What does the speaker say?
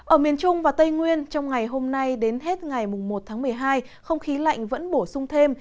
ở miền trung và tây nguyên trong ngày hôm nay đến hết ngày một tháng một mươi hai không khí lạnh vẫn bổ sung thêm